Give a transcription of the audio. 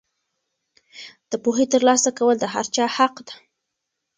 د پوهې ترلاسه کول د هر چا حق دی.